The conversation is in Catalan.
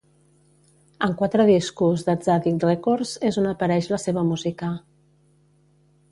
En quatre discos de Tzadik Records és on apareix la seva música.